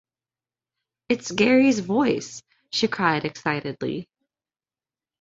"It's Gary's voice," she cried excitedly.